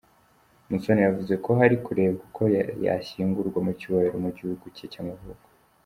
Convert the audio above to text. Musoni yavuze ko hari kurebwa uko yashyingurwa mu cyubahiro mu gihugu cye cy’amavuko.